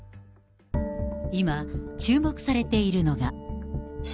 今、注目されているのが。